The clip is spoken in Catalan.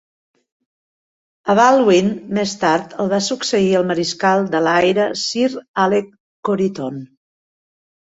A Baldwin més tard el va succeir el Mariscal de l'Aire Sir Alec Coryton.